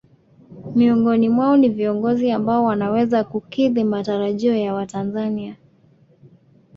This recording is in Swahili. Miongoni mwao ni viongozi ambao wanaweza kukidhi matarajio ya watanzania